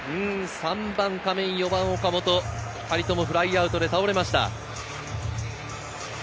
３番・亀井、４番・岡本、２人ともフライアウトで倒れました。